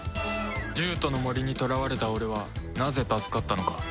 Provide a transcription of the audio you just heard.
獣人の森に捕らわれた俺はなぜ助かったのか